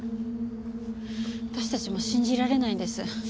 私たちも信じられないんです。